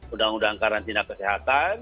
undang undang karantina kesehatan